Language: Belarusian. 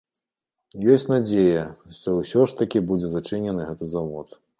Ёсць надзея, што ўсё ж такі будзе зачынены гэты завод.